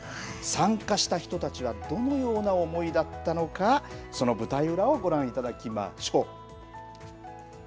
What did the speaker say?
参加した人たちはどのような思いだったのか、その舞台裏をご覧いただきましょう。